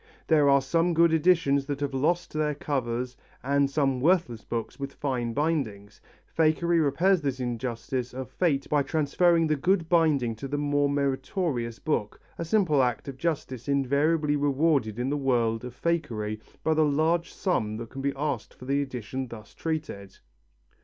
There are some good editions that have lost their covers and some worthless books with fine bindings fakery repairs this injustice of fate by transferring the good binding to the more meritorious book, a simple act of justice invariably rewarded in the world of fakery by the large sum that can be asked for the edition thus treated.